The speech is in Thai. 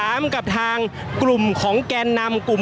ก็น่าจะมีการเปิดทางให้รถพยาบาลเคลื่อนต่อไปนะครับ